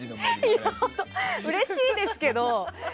うれしいですけど。